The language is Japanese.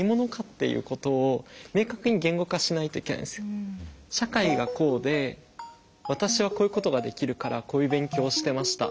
就職活動してる中で社会がこうで私はこういうことができるからこういう勉強をしてました。